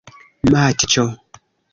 matĉo